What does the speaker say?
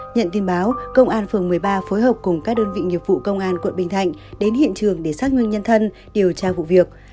nhận tin báo công an phường một mươi ba phối hợp cùng các đơn vị nghiệp vụ công an quận bình thạnh đến hiện trường để xác minh nhân thân điều tra vụ việc